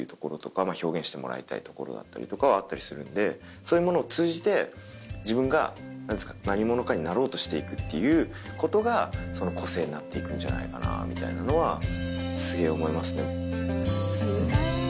そういうものを通じて自分が何者かになろうとして行くっていうことが個性になって行くんじゃないかなみたいなのはすげぇ思いますね。